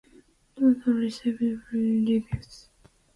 "Dakota" received positive reviews.